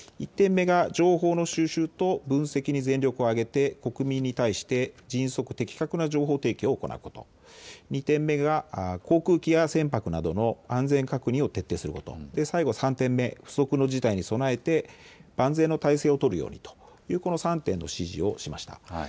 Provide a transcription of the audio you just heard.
１点目が情報の収集と分析に全力を挙げて国民に対して迅速、的確な情報提供を行うこと、２点目が航空機や船舶などの安全確認を徹底すること、最後３点目、不測の事態に備えて万全の態勢を取るようにとこの３点の指示をしました。